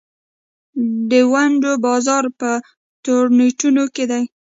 د ونډو بازار په تورنټو کې دی.